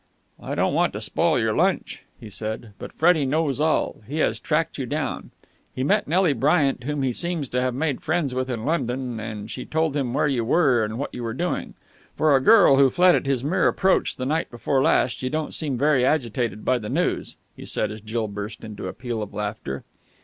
"I don't want to spoil your lunch," he said, "but Freddie knows all. He has tracked you down. He met Nelly Bryant, whom he seems to have made friends with in London, and she told him where you were and what you were doing. For a girl who fled at his mere approach the night before last, you don't seem very agitated by the news," he said, as Jill burst into a peal of laughter.